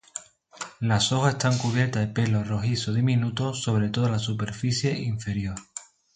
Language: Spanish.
Las hojas están cubiertas de pelos rojizo diminutos sobre toda la superficie inferior.